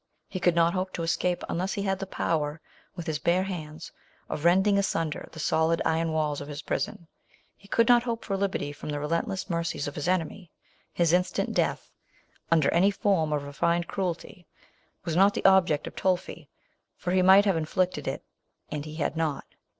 He could not hope to escape, un less he had the power, with his bare hands, of rending asunder the solid iron walls of his prison. He could not hope for liberty from the relent ing mercies of his enemy. His in stant death, under any form of re fined cruelty, was not the object of Toifi, for he might have inflicted it, and he had not.